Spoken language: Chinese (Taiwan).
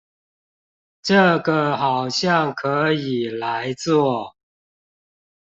這個好像可以來做